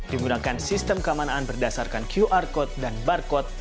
digunakan sistem keamanan berdasarkan qr code dan barcode